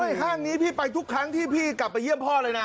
ห้างนี้พี่ไปทุกครั้งที่พี่กลับไปเยี่ยมพ่อเลยนะ